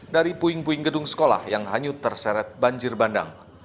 dari puing puing gedung sekolah yang hanyut terseret banjir bandang